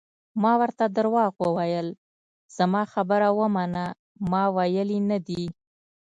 ما ورته درواغ وویل: زما خبره ومنه، ما ویلي نه دي.